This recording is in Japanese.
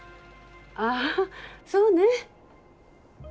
ああそうね。